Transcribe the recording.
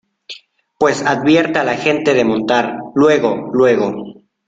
pues advierte a la gente de montar luego, luego.